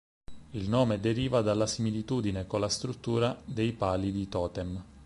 Il nome deriva dalla similitudine con la struttura dei pali di totem.